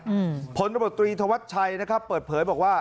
อืมผลระบบตรีธวัชชัยนะครับเปิดเผยบอกว่า